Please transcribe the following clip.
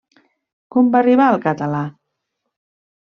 Com va arribar al català?